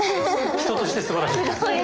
人としてすばらしい。